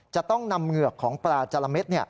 จะต้องนำเหงือกของปลาจาระเม็ด